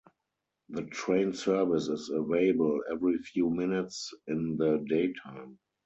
The train service is available every few minutes in the daytime.